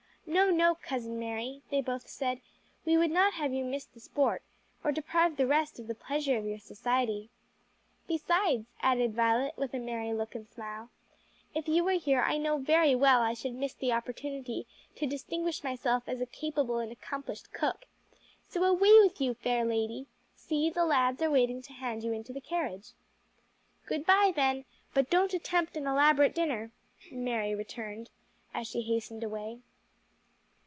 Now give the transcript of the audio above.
"No, no, cousin Mary," they both said, "we would not have you miss the sport, or deprive the rest of the pleasure of your society." "Besides," added Violet, with a merry look and smile, "if you were here I know very well I should miss the opportunity to distinguish myself as a capable and accomplished cook. So away with you, fair lady! See, the lads are waiting to hand you into the carriage." "Good bye then, but don't attempt an elaborate dinner," Mary returned, as she hastened away.